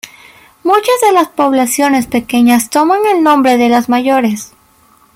Muchas de las poblaciones pequeñas toman el nombre de las mayores.